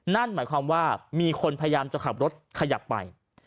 นั่นหมายความว่ามีคนพยายามจะขับรถขยับไป